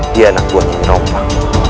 dia anakku yang meropak